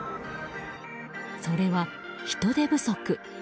それは、人手不足。